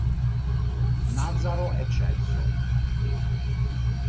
Nazaro e Celso.